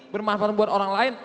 bermanfaat buat orang lain